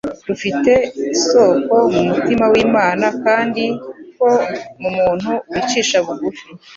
rufite isoko mu mutima w'Imana kandi ko mu muntu wicisha bugufi